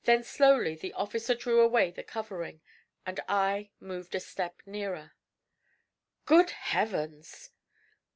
Then slowly the officer drew away the covering, and I moved a step nearer. 'Good heavens!'